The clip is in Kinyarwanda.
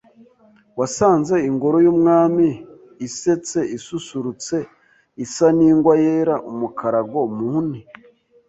wasanze ingoro y’umwami Isetse isusurutse Isa n’ingwa yera umukarago mu nti